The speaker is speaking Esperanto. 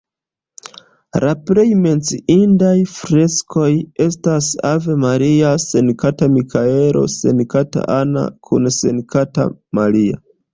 La plej menciindaj freskoj estas Ave Maria, Sankta Mikaelo, Sankta Anna kun Sankta Maria.